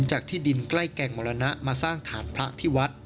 ที่ดินใกล้แก่งมรณะมาสร้างฐานพระที่วัด